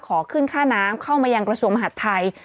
ขอขึ้นค่าน้ำเข้ามายังกระทรวงมหาดไทย